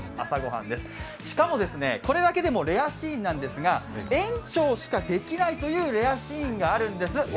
朝御飯です、しかもこれだけでもレアシーンなんですが園長しかできないというレアシーンがあるんです。